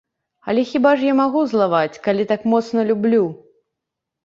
Але хіба ж я магу злаваць, калі так моцна люблю.